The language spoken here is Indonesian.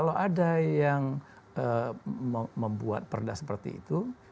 ini juga ada yang membuat perda seperti itu